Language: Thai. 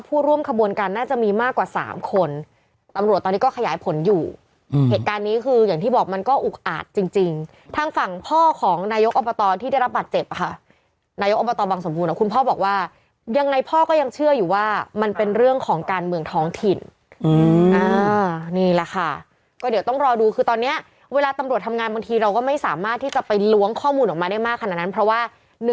อุกอาจจริงทางฝั่งพ่อของนายกอับประตอที่ได้รับบัตรเจ็บค่ะนายกอับประตอบังสมบูรณ์คุณพ่อบอกว่ายังไงพ่อก็ยังเชื่ออยู่ว่ามันเป็นเรื่องของการเมืองท้องถิ่นนี่แหละค่ะก็เดี๋ยวต้องรอดูคือตอนเนี้ยเวลาตำรวจทำงานบางทีเราก็ไม่สามารถที่จะไปล้วงข้อมูลออกมาได้มากขนาดนั้นเพราะว่าหนึ่